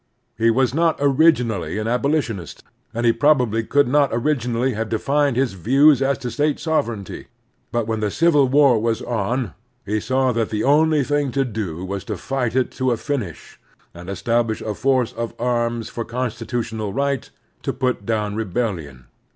He was not originally an abolitionist, and he probably could not originally have defined his views as to State sovereignty ; but when the Civil War was on, he saw that the only thing to do was to fight it to a finish and establish by force of arms the constitutional right ai6 The Strenuous Life to put down rebellion.